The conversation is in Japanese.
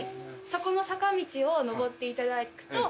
そこの坂道を上っていただくと大丈夫です。